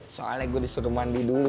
soalnya gue disuruh mandi dulu